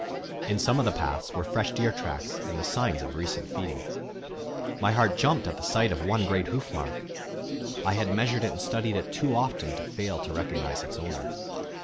In some of the paths were fresh deer tracks and the signs of recent feeding. My heart jumped at sight of one great hoof mark. I had measured and studied it too often to fail to recognize its owner.